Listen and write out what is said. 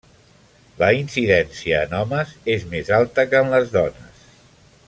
La incidència en homes és més alta que en les dones.